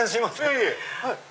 いえいえ。